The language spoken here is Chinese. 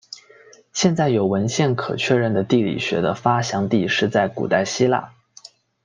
现在有文献可确认的地理学的发祥地是在古代希腊。